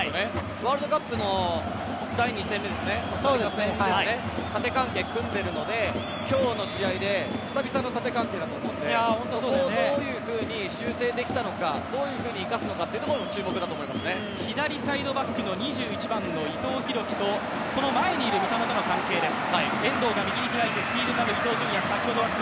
ワールドカップの第２戦目、縦関係組んでいるので今日の試合で久々の縦関係だと思うので、そこをどういうふうに修正できたのか、生かすのかというのが左サイドバック、２１番の伊藤洋輝と、その前にいる三笘との関係です。